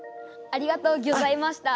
ありがとうギョざいました。